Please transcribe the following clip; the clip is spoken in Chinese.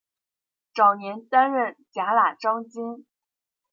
早年担任甲喇章京。